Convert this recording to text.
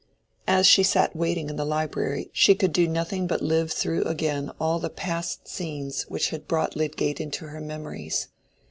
As she sat waiting in the library, she could do nothing but live through again all the past scenes which had brought Lydgate into her memories.